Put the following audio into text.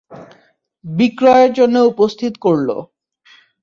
বিক্রয়ের জন্য উপস্থিত করল।